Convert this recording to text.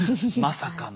まさかの。